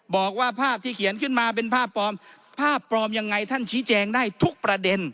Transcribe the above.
บอกว่าภาพที่เขียนขึ้นมาเป็นภาพปลอมภาพปลอมยังไงท่านชี้แจงได้ทุกประเด็น